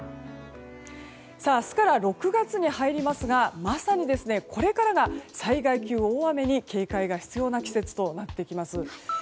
明日から６月に入りますがまさにこれからが災害級大雨に警戒が必要な季節となってきます。